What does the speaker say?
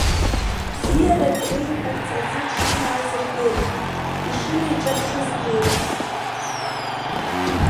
Бзиарак реиҳәарц азы дшымааз рдырит, ишынеиҿаԥшыз еиԥш.